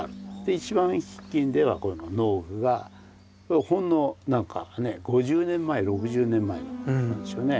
この農具がほんの何かね５０年前６０年前のなんですよね。